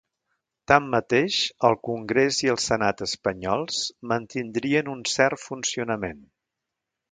Tanmateix, el congrés i el senat espanyols mantindrien un cert funcionament.